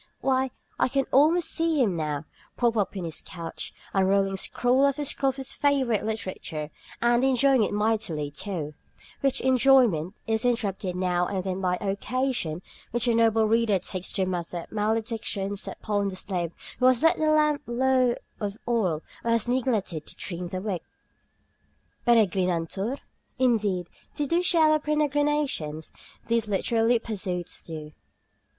Why, I can almost see him now, propped up in his couch, unrolling scroll after scroll of his favorite literature, and enjoying it mightily, too, which enjoyment is interrupted now and then by the occasion which the noble reader takes to mutter maledictions upon the slave who has let the lamp run low of oil or has neglected to trim the wick. "Peregrinantur?" Indeed, they do share our peregrinations, these literary pursuits do.